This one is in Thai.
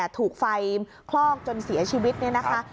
ถูกไฟคลอกจนเสียชีวิตเนี่ยนะคะ